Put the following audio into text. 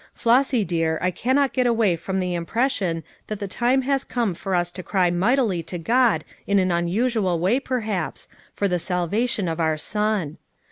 Flossy dear, I cannot get away from the impression that the time has come for us to cry mightily to God in an un usual way, perhaps, for the salvation of our son.